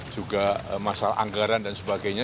juga masalah anggaran dan sebagainya